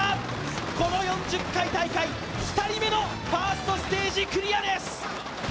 この４０回大会、２人目のファーストステージクリアです。